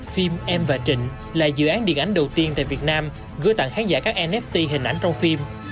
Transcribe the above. phim em và trịnh là dự án điện ảnh đầu tiên tại việt nam gửi tặng khán giả các nft hình ảnh trong phim